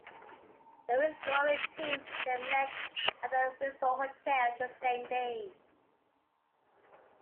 The withdrawing teams then met at the Windsor Hotel the same day.